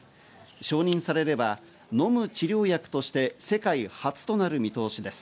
承認されれば飲む治療薬として世界初となる見通しです。